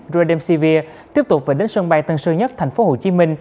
redemsevere tiếp tục về đến sân bay tân sơ nhất tp hcm